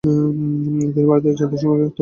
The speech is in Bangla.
তিনি ভারতীয় জাতীয় কংগ্রেস ত্যাগ করেন।